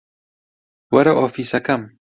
وەرە ئۆفیسەکەم.